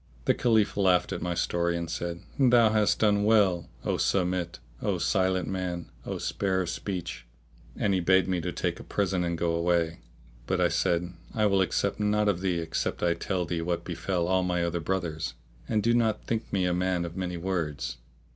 The Caliph laughed at my story and said, "Thou hast done well, O Samit, O Silent Man, O spare of speech!"; and he bade me take a present and go away. But I said, "I will accept naught of thee except I tell thee what befell all my other brothers; and do not think me a man of many words."